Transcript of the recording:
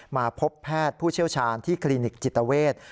มาพบแพทย์ผู้เชี่ยวชาญที่คลินิกจิตเวท